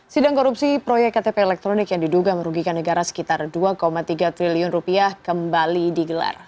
sidang korupsi proyek ktp elektronik yang diduga merugikan negara sekitar rp dua tiga triliun rupiah kembali digelar